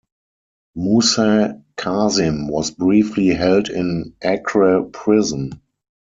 Musa Kazim was briefly held in Acre prison.